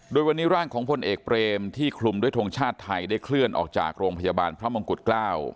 โดยวันนี้ร่างของพลเอกเปรมที่คลุมด้วยทงชาติไทยได้เคลื่อนออกจากโรงพยาบาลพระมงกุฎเกล้า